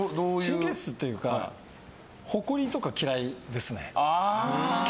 神経質っていうかほこりとか嫌いですね。